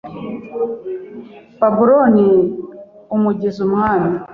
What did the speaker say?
Babuloni umugize umwami